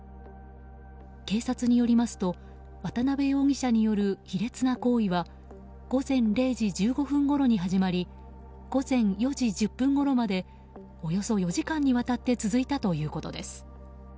警察によりますと渡辺容疑者による卑劣な行為は午前０時１５分ごろに始まり午前４時１０分ごろまでおよそ４時間にわたって続いたということです。